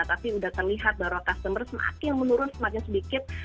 tapi sudah terlihat bahwa customer semakin menurun semakin sedikit